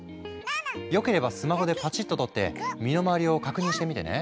よければスマホでパチッと撮って身の回りを確認してみてね。